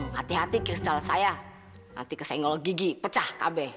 hati hati ke setel saya nanti kesenggol gigi pecah kb